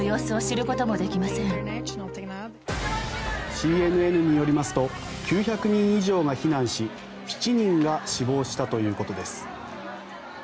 ＣＮＮによりますと９００人以上が避難し７人が死亡したということです。